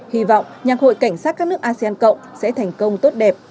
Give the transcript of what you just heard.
hy vọng nhạc hội cảnh sát các nước asean cộng sẽ thành công tốt đẹp